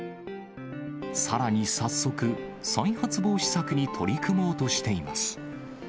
さらに早速、再発防止策に取り組もうとしています。